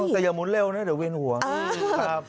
อ๋อแต่อย่ามุนเร็วนะเดี๋ยววินห่วง